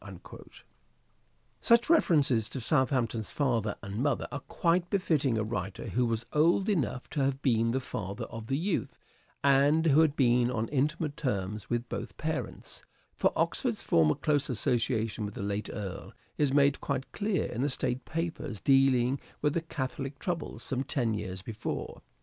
POETIC SELF REVELATION 439 Such references to Southamption's father and mother The are quite befitting a writer who was old enough to have been the father of the youth, and who had been ampton. on intimate terms with both parents ; for Oxford's former close association with the late Earl is made quite clear in the State Papers dealing with the catholic troubles some ten years before.